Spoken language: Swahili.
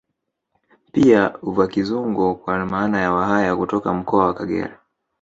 Pia Vakizungo kwa maana ya Wahaya kutoka mkoa wa Kagera